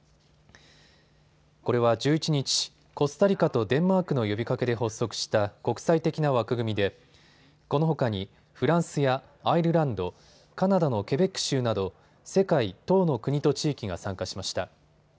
これは１１日、コスタリカとデンマークの呼びかけで発足した国際的な枠組みでこのほかにフランスやアイルランド、カナダのケベック州など世界１０の国と地域が参加しました。